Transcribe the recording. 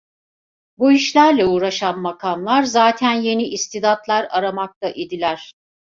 Bu işlerle uğraşan makamlar, zaten yeni istidatlar aramakta idiler.